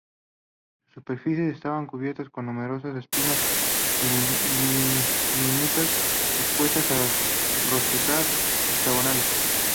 Sus superficies estaban cubiertas con numerosas espinas diminutas dispuestas en "rosetas" hexagonales.